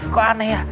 kok aneh ya